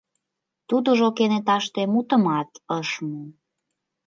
Тудыжо кенеташте мутымат ыш му.